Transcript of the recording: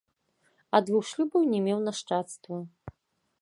Ад двух шлюбаў не меў нашчадства.